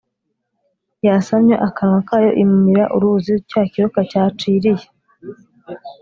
yasamya akanwa kayo imira uruzi cya kiyoka cyaciriye.